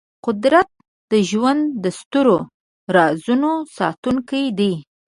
قدرت د ژوند د سترو رازونو ساتونکی دی.